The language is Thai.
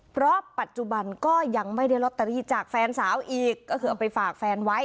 เพราะปัจจุบันก็ยังไม่ได้ลอตเตอรี่จากแฟนสาวอีกก็คือเอาไปฝากแฟนไว้